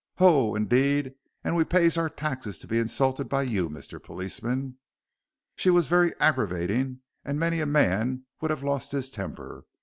Ho! indeed, and we pays our taxes to be insulted by you, Mr. Policeman." She was very aggravating, and many a man would have lost his temper.